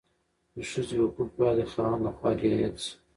د ښځې حقوق باید د خاوند لخوا رعایت شي.